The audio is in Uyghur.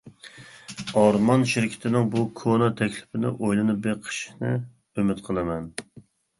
ئارمان شىركىتىنىڭ بۇ كونا تەكلىپنى ئويلىنىپ بېقىشىنى ئۈمىد قىلىمەن.